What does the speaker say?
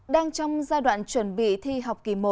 đang trong giai đoạn chuẩn bị thi học kỳ một